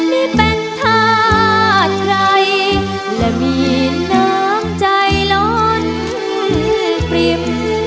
ไม่เป็นทาดใดและมีน้ำใจร้อนปริบ